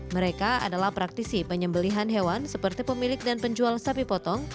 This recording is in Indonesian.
mereka adalah praktisi penyembelihan hewan seperti pemilik dan penjual sapi potong